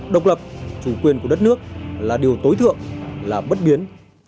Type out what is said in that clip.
độc lập chủ quyền của đất nước là điều tối thượng là bất biến